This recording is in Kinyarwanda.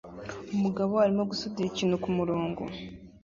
Umugabo arimo gusudira ikintu kumurongo